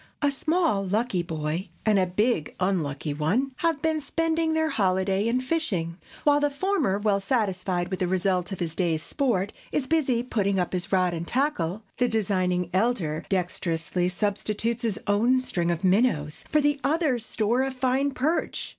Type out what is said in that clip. A small (lucky) boy and big (unlucky) one have been spending their holiday in fishing. While the former, well satisfied with the result of his day's sport, is busy putting up his rod and tackle, the designing elder dexterously substitutes his own string of minnows for the other's store of fine perch.